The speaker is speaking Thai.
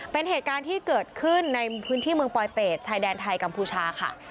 เป็นเหตุการณ์ที่เกิดขึ้นในพื้นที่เมืองปลอยเป็ดชายแดนไทยกัมพูชาค่ะ